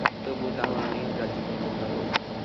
তবু, তাও আমি গ্রাহ্য করতাম না বৌ।